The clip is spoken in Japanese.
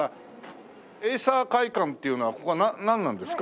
エイサー会館っていうのはここはなんなんですか？